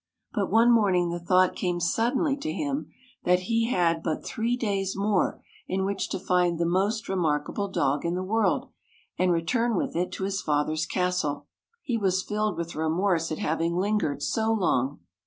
But one morning the thought came sud denly to him, that he had but three days more in which to find the most remarkable dog in the world, and return with it to his father's castle. He was filled with remorse at having lingered so long.